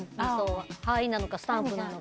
はーいなのかスタンプなのか。